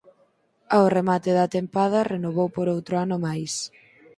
Ao remate da tempada renovou por outro ano máis.